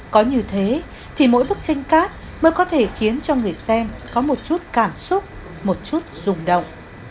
có như thế thì mỗi bức tranh cát mới có thể khiến cho người xem có một chút cảm xúc một chút rùng động